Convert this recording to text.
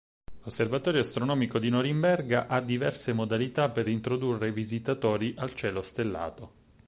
L'osservatorio astronomico di Norimberga ha diverse modalità per introdurre i visitatori al cielo stellato.